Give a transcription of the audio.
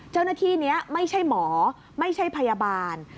เจ้าหน้าที่นี้ไม่ใช่หมอไม่ใช่พยาบาล